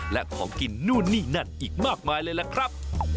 และของกินนู่นนี่นั่นอีกมากมายเลยล่ะครับ